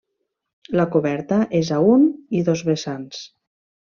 La coberta és a un i dos vessants.